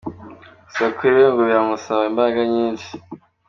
Gusa kuri we ngo biramusaba imbaraga nyinshi.